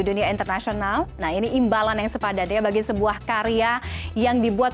dunia internasional nah ini imbalan yang sepadan ya bagi sebuah karya yang dibuat